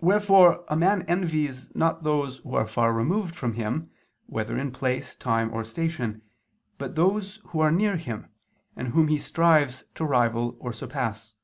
Wherefore a man envies not those who are far removed from him, whether in place, time, or station, but those who are near him, and whom he strives to rival or surpass.